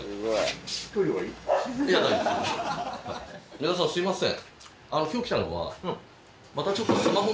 宮沢さんすいません。